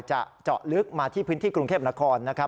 จะเจาะลึกมาที่พื้นที่กรุงเทพบรรคอล